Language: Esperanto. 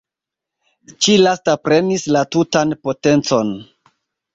Ĉi lasta prenis la tutan potencon.